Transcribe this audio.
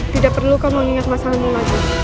tidak perlu kamu ingat masalahmu lagi